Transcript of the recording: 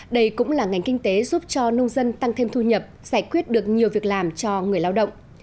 đây cũng là ngành kinh tế giúp cho nông dân tăng thêm thu nhập giải quyết được nhiều việc làm cho người lao động